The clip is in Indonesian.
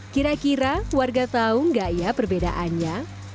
kira kira warga tahu nggak ya perbedaannya